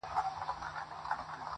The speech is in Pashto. o لاس، لاس پېژني٫